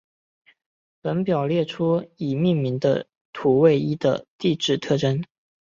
本表列出已命名的土卫一的地质特征。